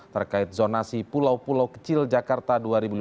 terkait zonasi pulau pulau kecil jakarta dua ribu lima belas dua ribu tiga puluh lima